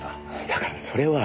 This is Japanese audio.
だからそれは。